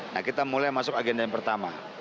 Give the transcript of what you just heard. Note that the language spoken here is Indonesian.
nah kita mulai masuk agenda yang pertama